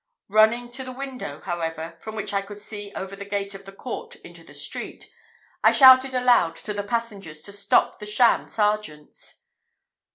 Running to the window, however, from which I could see over the gate of the court into the street, I shouted aloud to the passengers to stop the sham sergeants.